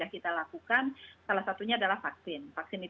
jadi kalau kemarin kan salah satu upaya untuk mengendalikan covid sembilan belas